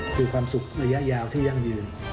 คือความสุขระยะยาวที่ยั่งยืน